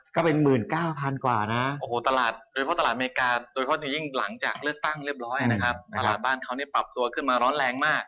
ก็เป็น๑๙๐๐กว่านะโอ้โหตลาดโดยเพราะตลาดอเมริกาโดยเฉพาะอย่างยิ่งหลังจากเลือกตั้งเรียบร้อยนะครับตลาดบ้านเขาเนี่ยปรับตัวขึ้นมาร้อนแรงมาก